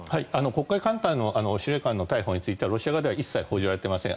黒海艦隊の司令官の逮捕についてはロシア側では一切報じられていません。